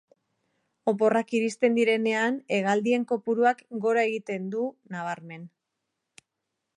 Oporrak iristen direnean hegaldien kopuruak gora egiten du, nabarmen.